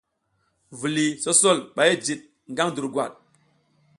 Viliy sosol ɓa jid ngaƞ durgwad.